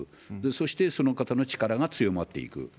そして、その方の力が強まっていく。